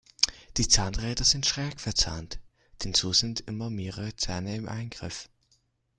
Die Zahnräder sind schräg verzahnt, denn so sind immer mehrere Zähne im Eingriff.